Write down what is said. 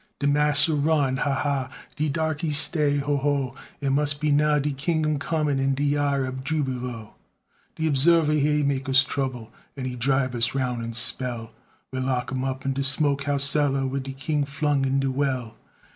De massa run, ha, ha! De darkey stay, ho, ho! It mus' be now de kingdum comin', An' de yar ob jubilo. De oberseer he makes us trubble, An' he dribe us roun' a spell, We lock him up in de smoke house cellar, Wid de key flung in de well.